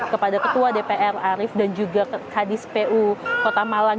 kepada ketua dpr arief dan juga kadis pu kota malang